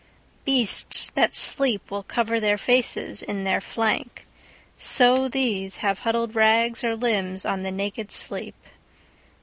Beasts that sleep will coverTheir faces in their flank; so theseHave huddled rags or limbs on the naked sleep.